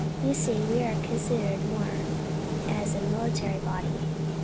You see, we are considered more as a military body.